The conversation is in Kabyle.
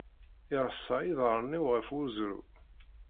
Ireṣṣa iḍarren-iw ɣef uẓru.